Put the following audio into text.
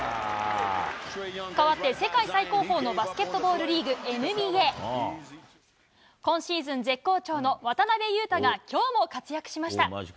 変わって世界最高峰のバスケットボールリーグ、ＮＢＡ。今シーズン絶好調の渡邊雄太がきょうも活躍しました。